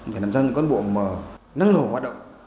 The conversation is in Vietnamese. phải làm ra một con bộ mở năng lộ hoạt động